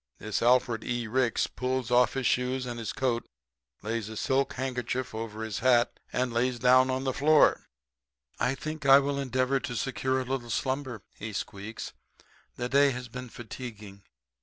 "This Alfred E. Ricks pulls off his shoes and his coat, lays a silk handkerchief over his hat, and lays down on the floor. "'I think I will endeavor to secure a little slumber,' he squeaks. 'The day has been fatiguing.